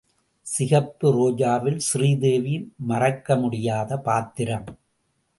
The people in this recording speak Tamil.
சிகப்பு ரோஜாவில் ஸ்ரீதேவி மறக்கமுடியாத பாத்திரம்.